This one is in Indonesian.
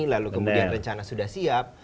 lalu kemudian rencana sudah siap